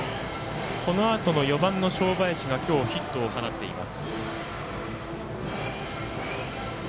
このあとの４番の正林が今日、ヒットを放っています。